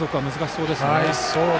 そうですね。